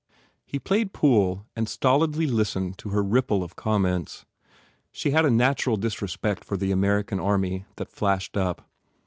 He played pool and stolidly listened to her rip ple of comments. She had a natural disrespect for the American army that flashed up.